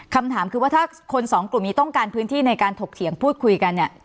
คำถามคือว่าถ้าคนสองกลุ่มนี้ต้องการพื้นที่ในการถกเถียงพูดคุยกันเนี่ย